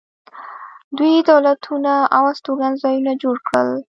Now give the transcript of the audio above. دوی دولتونه او استوګنځایونه جوړ کړل.